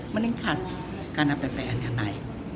meningkat karena ppn nya naik